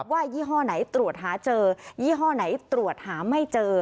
ยี่ห้อไหนตรวจหาเจอยี่ห้อไหนตรวจหาไม่เจอ